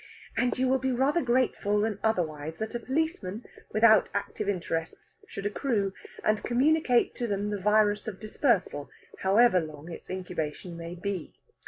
And you will be rather grateful than otherwise that a policeman without active interests should accrue, and communicate to them the virus of dispersal, however long its incubation may be.